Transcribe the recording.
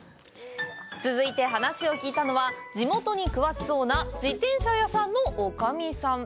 続いて話を聞いたのは地元に詳しそうな自転車屋さんの女将さん。